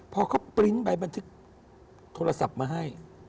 พอเขาปริ้นต์ใบบันทึกโทรศัพท์มาให้